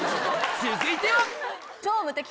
続いては！